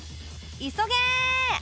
急げ！